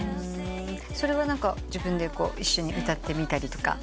それは自分で一緒に歌ってみたりとか。